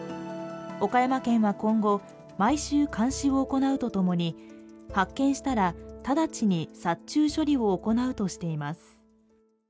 岡山県は今後、毎週監視を行うとともに発見したら、直ちに殺虫処理を行うとしています。